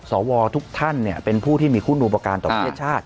สวทุกท่านเป็นผู้ที่มีคุณอุปการณต่อประเทศชาติ